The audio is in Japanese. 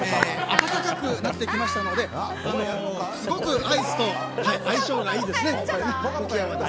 暖かくなってきましたのですごくアイスと相性がいいですね。